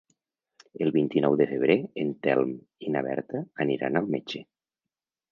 El vint-i-nou de febrer en Telm i na Berta aniran al metge.